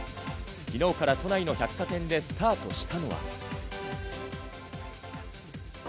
昨日から都内の百貨店でスタートしたのは。